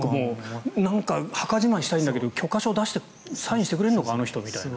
なんか墓じまいしたいんだけど許可証を出してサインくれるのかあの人みたいな。